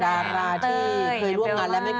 ว่าน่ามราศีผ้าเหลืองจับหนามาก